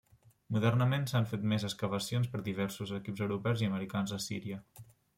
Modernament s'han fet més excavacions per diversos equips europeus i americans a Síria.